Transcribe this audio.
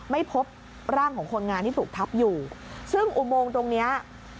ไม่พบร่างของคนงานที่ถูกทับอยู่ซึ่งอุโมงตรงเนี้ย